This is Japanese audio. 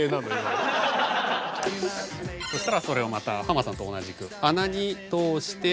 そしたらそれをまたハマさんと同じく穴に通して。